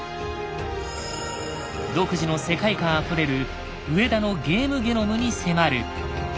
独自の世界観あふれる上田のゲームゲノムに迫る。